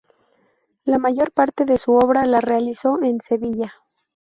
La mayor parte de su obra la realizó en Sevilla.